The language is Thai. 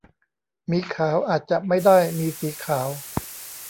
หมีขาว อาจจะไม่ได้มีสีขาว